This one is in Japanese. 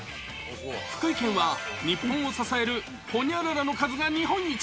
福井県は日本を支えるホニャララの数が日本一。